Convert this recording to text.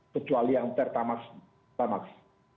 kecuali yang pertamaks